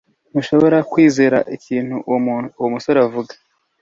ntushobora kwizera ikintu uwo musore avuga